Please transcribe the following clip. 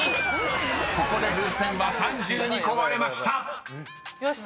［ここで風船は３２個割れました］